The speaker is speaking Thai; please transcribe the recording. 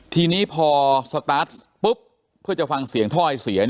ทีนี้พอสตาร์ทปุ๊บเพื่อจะฟังเสียงถ้อยเสีย